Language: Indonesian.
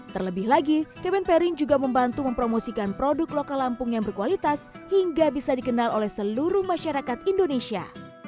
terlebih lagi kemenperin juga membantu mempromosikan produk lokal lampung yang berkualitas hingga bisa dikenal oleh seluruh masyarakat indonesia